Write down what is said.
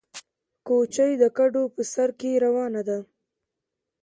کوچۍ د کډو په سر کې روانه ده